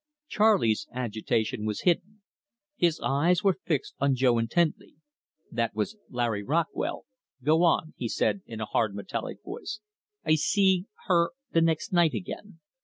Charley's agitation was hidden. His eyes were fixed on Jo intently. "That was Larry Rockwell. Go on," he said, in a hard metallic voice. "I see her, the next night again.